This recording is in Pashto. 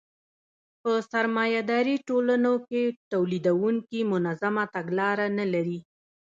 په سرمایه داري ټولنو کې تولیدونکي منظمه تګلاره نلري